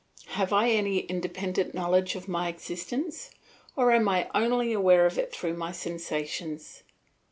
Have I any independent knowledge of my existence, or am I only aware of it through my sensations?